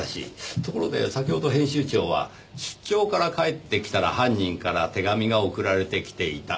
ところで先ほど編集長は出張から帰ってきたら犯人から手紙が送られてきていた。